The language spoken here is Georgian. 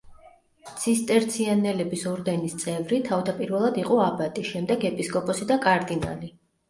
ცისტერციანელების ორდენის წევრი, თავდაპირველად იყო აბატი, შემდეგ ეპისკოპოსი და კარდინალი.